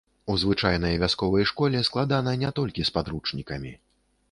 У звычайнай вясковай школе складана не толькі з падручнікамі.